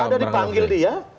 ada dipanggil dia